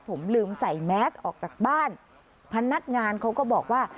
ผมลืมใส่แมสออกจากบ้านพนักงานเขาก็บอกว่า